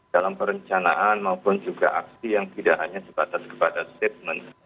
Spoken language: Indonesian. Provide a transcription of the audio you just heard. dalam perencanaan maupun juga aksi yang tidak hanya sebatas kepada statement